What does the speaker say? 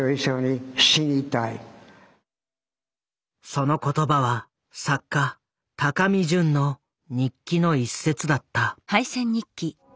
その言葉は作家・高見順の日記の一節だった。